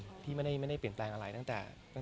ก็มีไปคุยกับคนที่เป็นคนแต่งเพลงแนวนี้